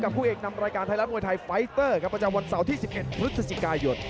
ผู้เอกนำรายการไทยรัฐมวยไทยไฟเตอร์ครับประจำวันเสาร์ที่๑๑พฤศจิกายน